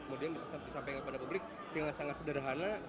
kemudian bisa disampaikan kepada publik dengan sangat sederhana